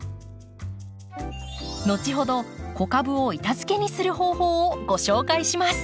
後ほど子株を板づけにする方法をご紹介します。